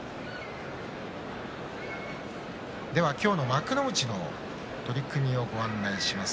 では今日の幕内の取組をご案内します。